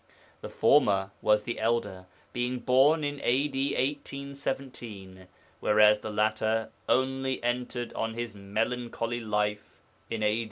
The former was the elder, being born in A.D. 1817, whereas the latter only entered on his melancholy life in A.